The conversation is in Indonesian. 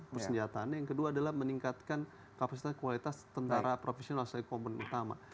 persenjataannya yang kedua adalah meningkatkan kapasitas kualitas tentara profesional sebagai komponen utama